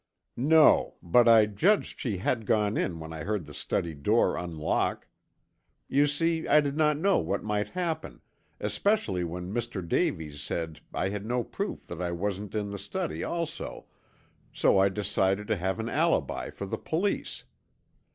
"No, but I judged she had gone in when I heard the study door unlock. You see, I did not know what might happen, especially when Mr. Davies said I had no proof that I wasn't in the study also, so I decided to have an alibi for the police.